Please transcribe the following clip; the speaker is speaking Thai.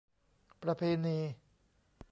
ประเพณี